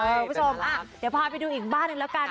คุณผู้ชมเดี๋ยวพาไปดูอีกบ้านหนึ่งแล้วกัน